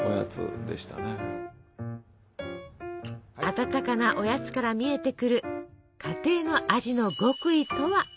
温かなおやつから見えてくる家庭の味の極意とは？